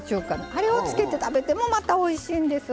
あれをつけて食べてもおいしいんですわ